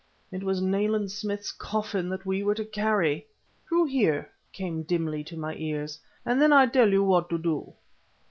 It was Nayland Smith's coffin that we were to carry! "Through here," came dimly to my ears, "and then I tell you what to do...."